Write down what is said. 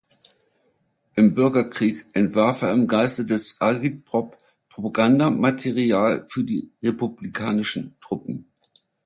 Im Bürgerkrieg entwarf er im Geiste des Agitprop Propagandamaterial für die republikanischen Truppen.